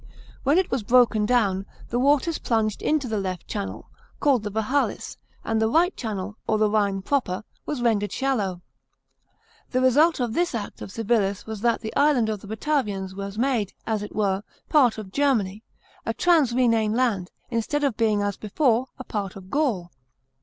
When it was broken down, the waters plunged into the left channel, called the Vahalis, and the right channel, or the Rhine proper, was rendered shallow. The result of this act of Civilis was that the Island of the Batavians was made, as it were, part of Germany — a trans Rhenane land ; instead of being, as before, a part of Gaul.